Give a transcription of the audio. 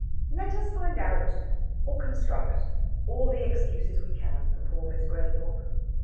Let us find out, or construct, all the excuses we can for poor Miss Graythorpe.